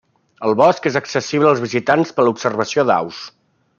El bosc és accessible als visitants per l'observació d'aus.